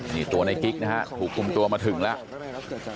นี่ตัวในกิ๊กนะฮะถูกคุมตัวมาถึงแล้ว